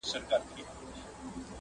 بېگانه مو په مابین کي عدالت دئ!.